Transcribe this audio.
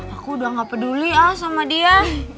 aku udah nggak peduli sama dia